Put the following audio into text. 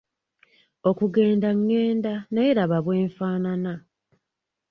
Okugenda ngenda naye laba bwenfaanana.